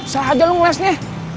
salah aja lo ngelesnya